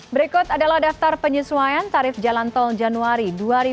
berikut adalah daftar penyesuaian tarif jalan tol januari dua ribu dua puluh